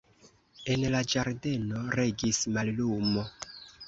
En la ĝardeno regis mallumo.